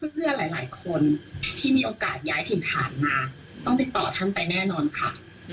เพื่อนหลายคนที่มีโอกาสย้ายถิ่นฐานมาต้องติดต่อท่านไปแน่นอนค่ะ